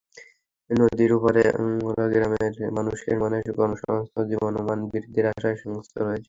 নদীর ওপারে আনোয়ারা গ্রামের মানুষের মনে কর্মসংস্থানসহ জীবনমান বৃদ্ধির আশার সঞ্চার হয়েছে।